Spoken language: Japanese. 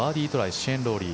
シェーン・ロウリー。